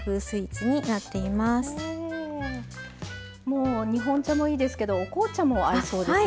もう日本茶もいいですけどお紅茶も合いそうですね。